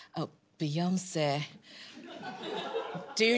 ビヨンセ？